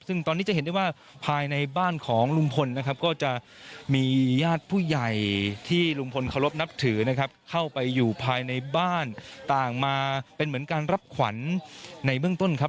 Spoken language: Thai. ซึ่งตอนนี้จะเห็นได้ว่าภายในบ้านของลุงพลนะครับก็จะมีญาติผู้ใหญ่ที่ลุงพลเคารพนับถือนะครับเข้าไปอยู่ภายในบ้านต่างมาเป็นเหมือนการรับขวัญในเบื้องต้นครับ